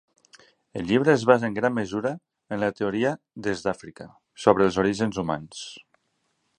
El llibre es basa en gran mesura en la teoria "des d'Àfrica" sobre els orígens humans.